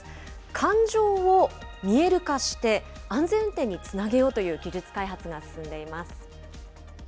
感情を見える化して、安全運転につなげようという技術開発が進んでいます。